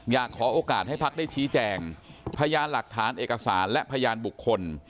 อยากขอโอกาสให้พักได้ชี้แจงพยานหลักฐานเอกสารและพยานบุคคล